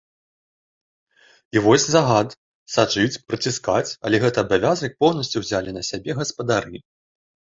І вось загад сачыць, прыціскаць, але гэты абавязак поўнасцю ўзялі на сябе гаспадары.